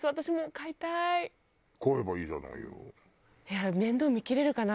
飼えばいいじゃないよ。